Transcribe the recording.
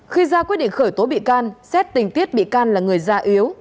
khi ra quyết định khởi tố bị can xét tình tiết bị can là người già yếu